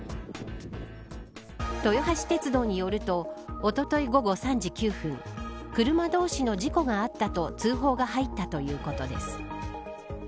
豊橋鉄道によるとおととい午後３時９分車同士の事故があったと通報が入ったということです。